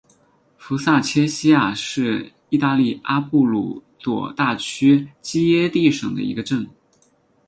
福萨切西亚是意大利阿布鲁佐大区基耶蒂省的一个镇。